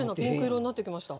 白くなってきました。